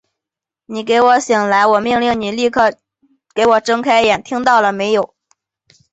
你给我醒来！我命令你立刻给我睁开眼睛，听到了没有！